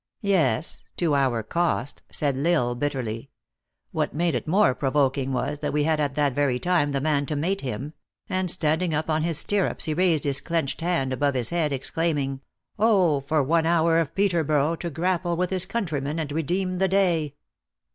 " Yes," to our cost," said L Isle, bitterly. " What made it more provoking was, that we had at that very time the man to mate him ;" and, standing up on his stirrups, he raised his clenched hand above his head, exclaiming :" O, for one hour of Peterborough to grapple with his countryman and redeem the day